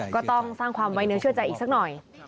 ก็ต้องสร้างความไว้เนื้อเชื่อใจอีกสักหน่อย